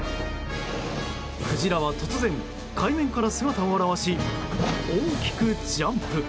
クジラは突然、海面から姿を現し大きくジャンプ。